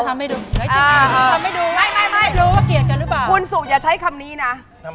ถ้าไม่รักก็ปล่อยกันไป